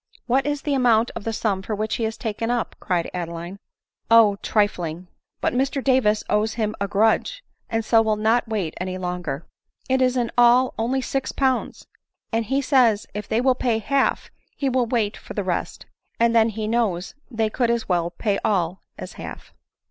" What is the amount of the sum for which he is taken up ?" said Adeline. " Oh ! trifling ; but Mr Davis owes him a grudge, and so will not wait any longer. It is in all only six pounds ; and he says if they will pay half he will wait for the rest ; but then he knows they could as well pay all as half."